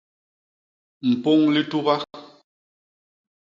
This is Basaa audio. Mpôñ lituba.